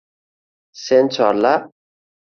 sen chorla –